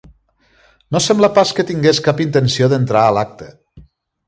No sembla pas que tingués cap intenció d'entrar a l'acte.